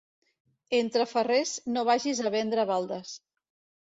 Entre ferrers no vagis a vendre baldes.